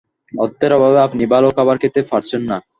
অর্থের অভাবে আপনি ভালো খাবার খেতে পারছেন না।